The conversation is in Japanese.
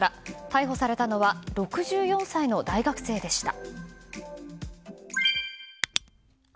逮捕されたのは６４歳の大学生でした。